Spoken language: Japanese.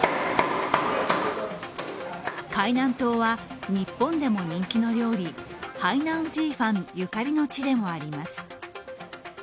海南島は日本でも人気の料理、ハイナンジーファンゆかりの地でもあります。